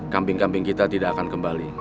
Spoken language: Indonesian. kambing kambing kita tidak akan kembali